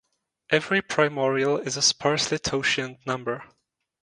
Every primorial is a sparsely totient number.